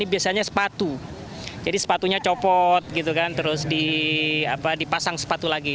biasanya sepatu jadi sepatunya copot gitu kan terus dipasang sepatu lagi